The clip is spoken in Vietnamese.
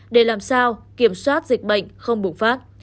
để làm sao kiểm soát dịch bệnh không bùng phát